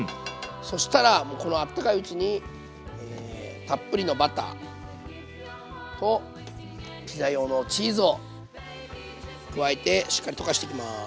そしたらこのあったかいうちにたっぷりのバターとピザ用のチーズを加えてしっかり溶かしていきます。